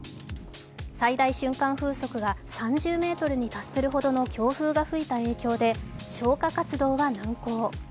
最大瞬間風速が３０メートルに達するほどの強風が吹いた影響で消火活動は難航。